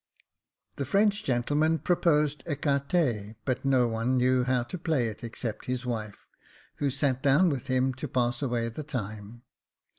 The French gentleman proposed ecarte, but no one knew how to play it except his wife ; who sat down with him to pass away the time.